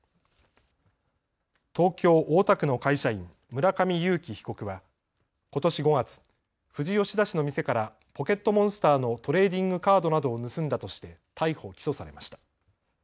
東京大田区の会社員、村上友貴被告はことし５月、富士吉田市の店からポケットモンスターのトレーディングカードなどを盗んだとして逮捕・起訴されました。